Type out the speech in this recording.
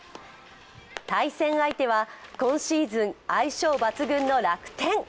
対戦相手は今シーズン相性抜群の楽天。